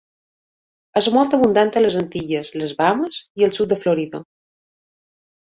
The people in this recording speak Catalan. És molt abundant a les Antilles, les Bahames i el sud de Florida.